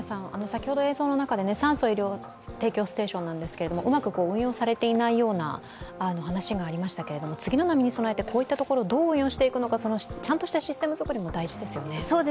酸素・医療提供ステーションなんですけれどもうまく運用されていないような話がありましたが次の波に備えて、こういったところをどう運用していくのかそのちゃんとしたシステム作りも大事ですよね。